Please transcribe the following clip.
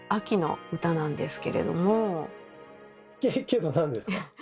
けけど何ですか？